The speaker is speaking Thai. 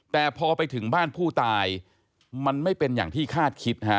แต่พอไปถึงบ้านผู้ตายมันไม่เป็นอย่างที่คาดคิดฮะ